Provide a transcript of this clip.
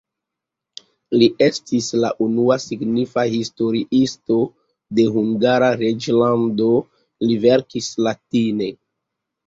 Li estis la unua signifa historiisto de Hungara reĝlando, li verkis latine.